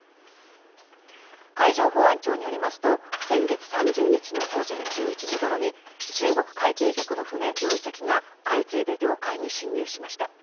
海上保安庁によりますと、先月３０日の午前１１時ごろに、中国海警局の船４隻が相次いで領海に侵入しました。